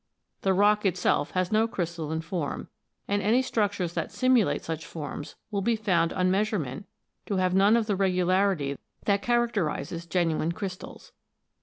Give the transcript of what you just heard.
The rock itself has no crystalline form, and any structures that simulate such forms will be found on measurement to have none of the regularity that characterises genuine crystals.